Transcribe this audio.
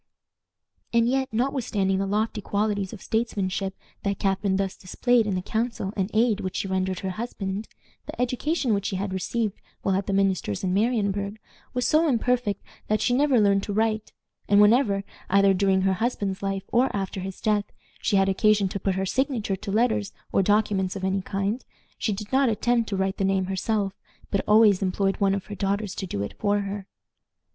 And yet, notwithstanding the lofty qualities of statesmanship that Catharine thus displayed in the counsel and aid which she rendered her husband, the education which she had received while at the minister's in Marienburg was so imperfect that she never learned to write, and whenever, either during her husband's life or after his death, she had occasion to put her signature to letters or documents of any kind, she did not attempt to write the name herself, but always employed one of her daughters to do it for her.